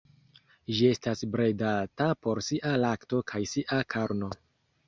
Ĝi estas bredata por sia lakto kaj sia karno.